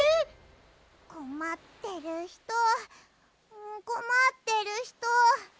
こまってるひとこまってるひと。